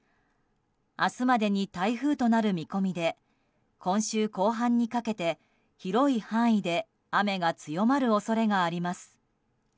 明日までに台風となる見込みで今週後半にかけて広い範囲で雨が強まる恐れがあります。